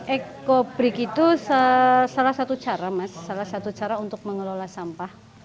ekobrik itu salah satu cara mas salah satu cara untuk mengelola sampah